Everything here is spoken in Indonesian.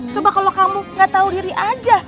coba kalau kamu gak tahu riri aja